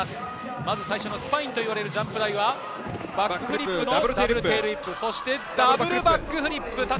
最初のスパインといわれるジャンプ台はバックフリップ、ダブルテールウィップ、そして、ダブルバックフリップ。